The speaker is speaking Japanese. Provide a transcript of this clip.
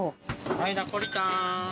はい、ナポリタン。